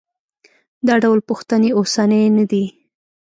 دا ډول پوښتنې اوسنۍ نه دي.